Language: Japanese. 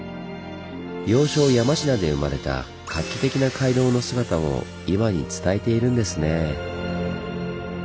要衝・山科で生まれた画期的な街道の姿を今に伝えているんですねぇ。